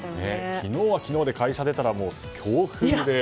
昨日は昨日で会社出たら強風で。